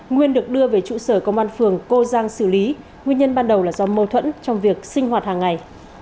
nguyên được đưa về trụ sở công an phường cô giang xử lý nguyên nhân ban đầu là do mâu thuẫn trong việc sinh hoạt hàng ngày